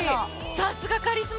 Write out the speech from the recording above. さすがカリスマ！